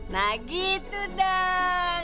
nah gitu dong